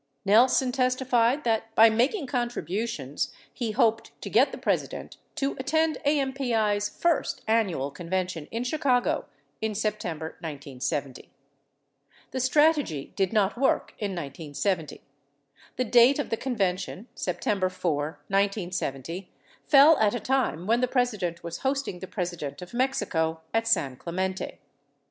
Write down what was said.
49 Nelson testified that by making contributions, he hoped to get the President to attend AMPl's first annual convention in Chicago in September 1970. 50 The strategy did not work in 1970. The date of the convention, Sep tember 4, 1970, fell at a time when the President was hosting the Pres ident of Mexico at San Clemente.